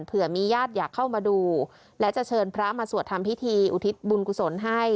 เผื่อมีญาติอยากเข้ามาดูและจะเชิญพระมาสวดทำพิธีอุทิศบุญกุศลให้